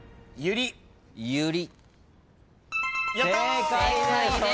正解です。